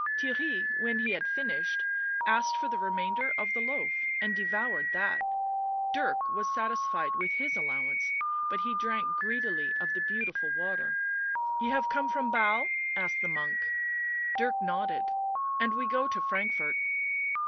Theirry, when he had finished, asked for the remainder of the loaf and devoured that ; Dirk was satisfied with his allowance, but he drank greedily of the beautiful water. "Ye have come from Basle?" asked the monk. Dirk nodded. " And we go to Frankfort."